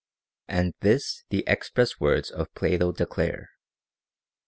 24. And this the express words of Plato declare.